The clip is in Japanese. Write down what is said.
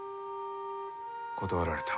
断られた。